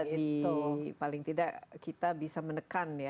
bisa di paling tidak kita bisa menekan ya